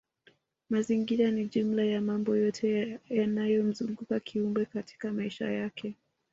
Mazingira ni jumla ya mambo yote yanayomzuguka kiumbe katika maisha yake